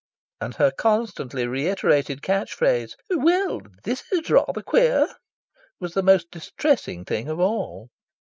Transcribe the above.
And her constantly reiterated catch phrase "Well, this is rather queer!" was the most distressing thing of all.